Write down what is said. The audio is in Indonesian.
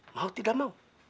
mau tidak mau